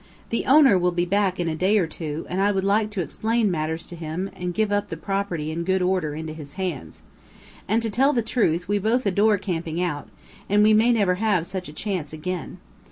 The owner will be back in a day or two, and I would like to explain matters to him and give up the property in good order into his hands. And, to tell the truth, we both adore camping out, and we may never have such a chance again.